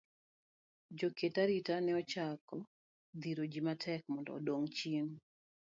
Jo ket arita ne ochako dhiro ji matek mondo odog chien.